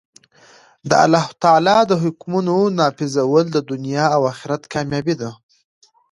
د الله تعالی د حکمونو نافذول د دؤنيا او آخرت کاميابي ده.